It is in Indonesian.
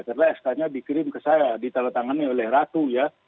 karena sk nya dikirim ke saya ditelatangani oleh ratu ya